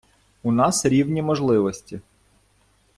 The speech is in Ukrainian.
У нас рівні можливості.